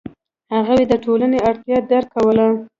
هغوی د ټولنې اړتیا درک کوله.